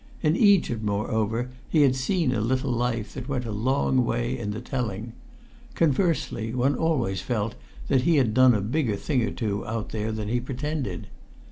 In Egypt, moreover, he had seen a little life that went a long way in the telling; conversely, one always felt that he had done a bigger thing or two out there than he pretended.